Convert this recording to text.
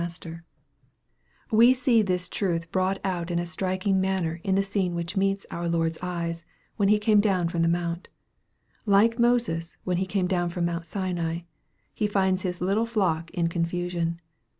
181 We see this truth brought out in a striking manner in the scene which meets our Lord's eyes, when He came down from the mount. Like Moses, when he came down from Mount Sinai, He finds his little flock in confusion.